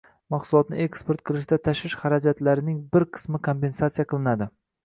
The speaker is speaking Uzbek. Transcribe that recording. Mahsulotlarni eksport qilishda tashish xarajatlarining bir qismi kompensatsiya qilinadi